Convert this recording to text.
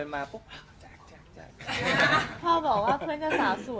ไม่ก็เท่ากัน